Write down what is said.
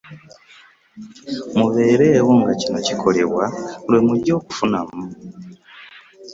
Mubeereewo nga kino kikolebwa lwe mujja okufunamu.